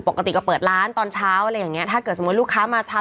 ปกติก็เปิดร้านตอนเช้าอะไรอย่างเงี้ถ้าเกิดสมมุติลูกค้ามาเช้า